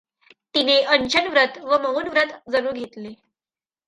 तिने अनशनव्रत व मौनव्रत जणू घेतले.